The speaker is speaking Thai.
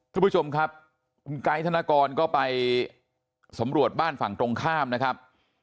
คุณผู้ชมครับคุณไกด์ธนกรก็ไปสำรวจบ้านฝั่งตรงข้ามนะครับ